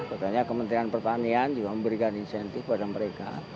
sebenarnya kementrian pertanian juga memberikan insentif kepada mereka